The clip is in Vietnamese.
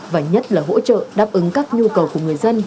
và nhất là hỗ trợ đáp ứng các nhu cầu của người dân